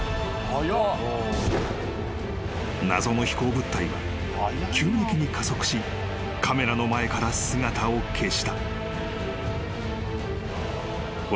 ［謎の飛行物体は急激に加速しカメラの前から姿を消した］